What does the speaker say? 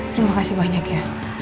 terima kasih banyak ya